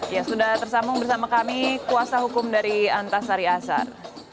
ya sudah tersambung bersama kami kuasa hukum dari antasari asar